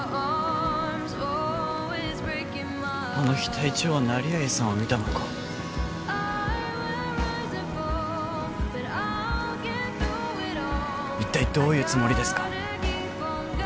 あの日隊長は成合さんを見たのか一体どういうつもりですか？